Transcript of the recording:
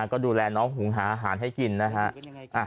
ก็ดูแลน้องหุงหาอาหารให้กินนะฮะ